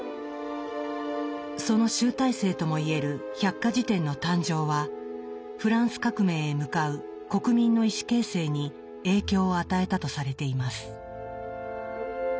その集大成ともいえる百科事典の誕生はフランス革命へ向かう国民の意思形成に影響を与えたとされています。